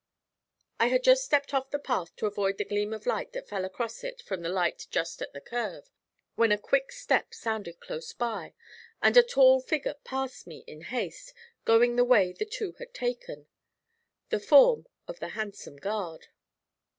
I had just stepped off the path to avoid the gleam of light that fell across it from the light just at the curve, when a quick step sounded close by, and a tall figure passed me in haste, going the way the two had taken the form of the handsome guard.